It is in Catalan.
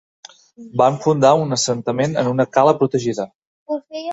Van fundar un assentament en una cala protegida.